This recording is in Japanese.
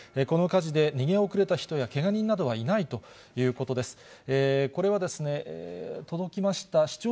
この火事で逃げ遅れた人やけが人などはいないということです。